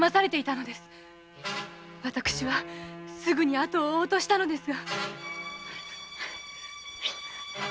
私はすぐに後を追おうとしたのですが。